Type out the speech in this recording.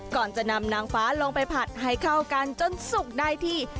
ก่อนจะนำนางฟ้าลงไปผัดให้เข้ากันจนสุกได้ที่